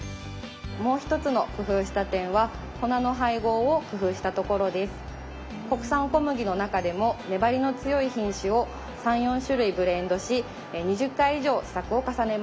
もう一つの工夫した点は国産小麦の中でも粘りの強い品種を３４種類ブレンドし２０回以上試作を重ねました。